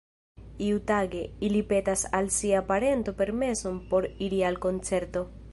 Iutage, ili petas al sia parento permeson por iri al koncerto.